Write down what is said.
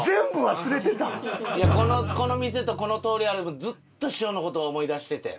いやこの店とこの通りずっと師匠の事思い出してて。